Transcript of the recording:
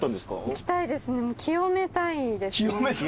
行きたいですね。